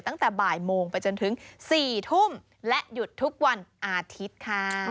ตั้งแต่บ่ายโมงไปจนถึง๔ทุ่มและหยุดทุกวันอาทิตย์ค่ะ